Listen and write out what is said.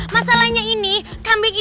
masalahnya ini kambing itu